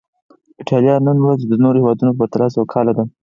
ایټالیا نن ورځ د نورو هېوادونو په پرتله سوکاله ده.